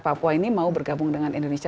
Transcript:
papua ini mau bergabung dengan indonesia